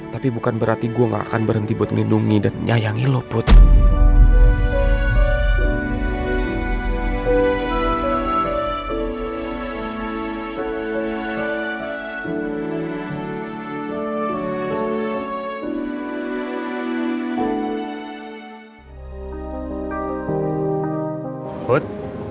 tapi bukan berarti gue gak akan berhenti buat ngindungi dan nyayangi lo put